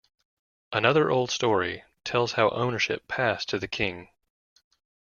Another old story tells how ownership passed to the king.